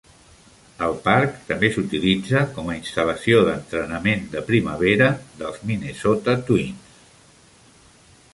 El parc també s'utilitza com a instal·lació d'entrenament de primavera dels Minnesota Twins.